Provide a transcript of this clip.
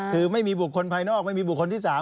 คือไม่มีบุคคลภายนอกไม่มีบุคคลที่๓